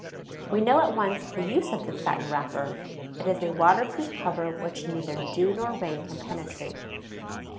We know at once the use of this satin wrapper; it is a waterproof cover which neither dew nor rain can penetrate.